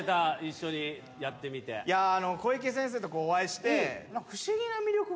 いや小池先生とお会いして。